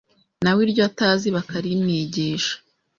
na we iryo atazi bakarimwigisha,